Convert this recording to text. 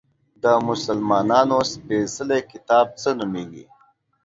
د مسلمانانو سپیڅلی کتاب څه نومیږي؟